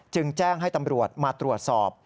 จึงแจ้งให้ตำรวจมาตรวจสอบ